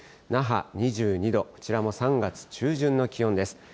那覇２２度、こちらも３月中旬の気温です。